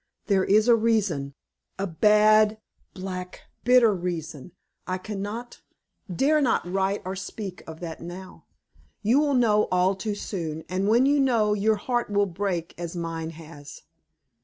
There is a reason a bad, black, bitter reason. I can not dare not write or speak of that now. You will know all too soon, and when you know, your heart will break, as mine has.